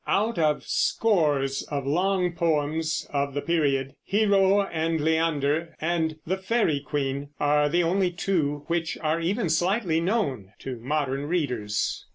Out of scores of long poems of the period, Hero and Leander and the Faery Queen are the only two which are even slightly known to modern readers.